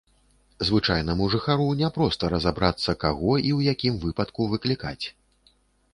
Звычайнаму жыхару няпроста разабрацца, каго і ў якім выпадку выклікаць.